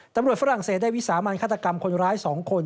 ฝรั่งเศสได้วิสามันฆาตกรรมคนร้าย๒คน